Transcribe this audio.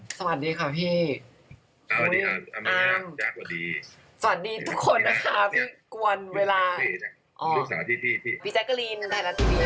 สวัสดีค่ะพี่โอ้ยอามสวัสดีทุกคนนะคะพี่กวนเวลาอ๋อพี่แจ๊คเกอรีนไทยร้านทีวี